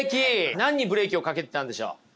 何にブレーキをかけてたんでしょう？